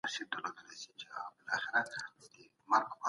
هغه پرون په مځکي کي ولوېدی.